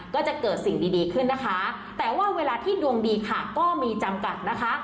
ก็จะเกิดสิ่งดีดีขึ้นนะคะแต่ว่าเวลาที่ดวงดีค่ะก็มีจำกัดนะคะ